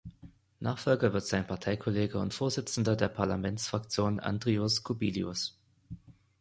Nachfolger wird sein Parteikollege und Vorsitzender der Parlamentsfraktion, Andrius Kubilius.